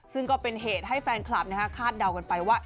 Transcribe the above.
ซึ่งก็เป็นเหตุให้แฟนคลับคาดเดากันไปว่า